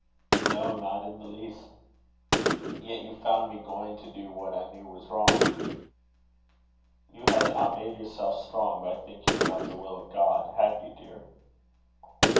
"No, not in the least." "Yet you found me going to do what I knew was wrong." "You had not made yourself strong by thinking about the will of God. Had you, dear?"